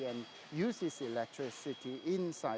dan menggunakan elektrisasi ini